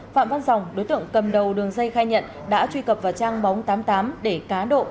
phạm văn rồng đối tượng cầm đầu đường dây khai nhận đã truy cập vào trang bóng tám mươi tám để cá độ